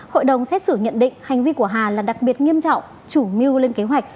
hội đồng xét xử nhận định hành vi của hà là đặc biệt nghiêm trọng chủ mưu lên kế hoạch